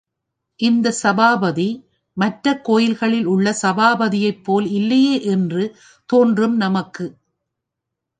இந்தச் சபாபதி மற்றக் கோயில்களில் உள்ள சபாபதியைப் போல் இல்லையே என்று தோன்றும் நமக்கு.